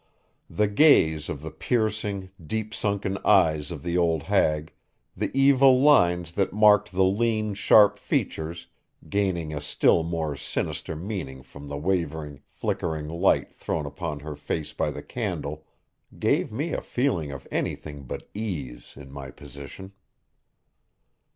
The gaze of the piercing, deep sunken eyes of the old hag, the evil lines that marked the lean, sharp features, gaining a still more sinister meaning from the wavering, flickering light thrown upon her face by the candle, gave me a feeling of anything but ease in my position.